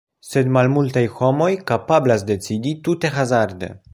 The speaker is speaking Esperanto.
Sed malmultaj homoj kapablas decidi tute hazarde.